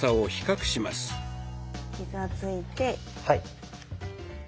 はい。